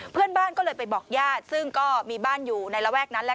เพื่อนบ้านก็เลยไปบอกญาติซึ่งก็มีบ้านอยู่ในระแวกนั้นแหละ